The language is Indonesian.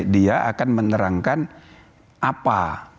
dia akan menerangkan apa